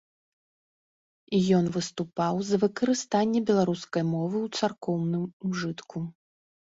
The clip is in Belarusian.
Ён выступаў за выкарыстанне беларускай мовы ў царкоўным ужытку.